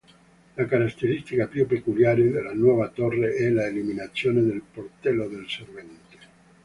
La caratteristica più peculiare della nuova torre è l'eliminazione del portello del servente.